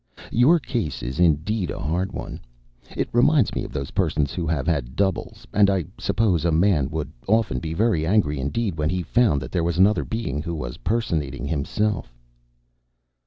"Your case is indeed a hard one. It reminds me of those persons who have had doubles, and I suppose a man would often be very angry indeed when he found that there was another being who was personating himself."